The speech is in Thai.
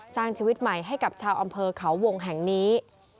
สร้างชีวิตใหม่ให้กับชาวอำเภอเขาวงแห่งนี้